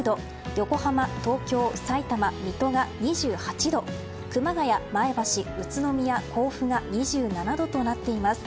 横浜、東京、さいたま水戸が２８度熊谷、前橋、宇都宮、甲府が２７度となっています。